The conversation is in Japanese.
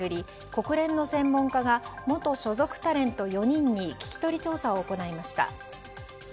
国連の専門家が元所属タレント４人に聞き取り調査を行いました。